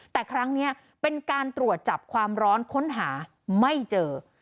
แต่ครั้งนี้เป็นการตรวจจับความร้อนค้นหาไม่เจอ